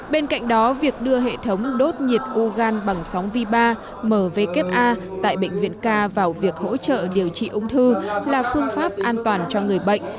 bên cạnh đó việc đưa hệ thống đốt nhiệt ugan bằng sóng v ba mw tại bệnh viện k vào việc hỗ trợ điều trị ung thư là phương pháp an toàn cho người bệnh